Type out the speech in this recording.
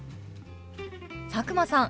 佐久間さん